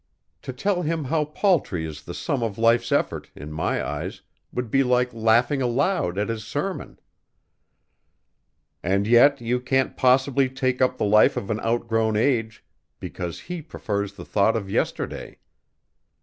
To tell him how paltry is the sum of his life's effort, in my eyes, would be like laughing aloud at his sermon." "And yet you can't possibly take up the life of an outgrown age because he prefers the thought of yesterday."